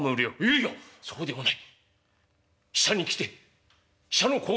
「いやそうではない。